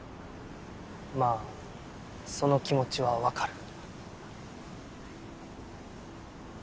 まあその気持ちは分かる。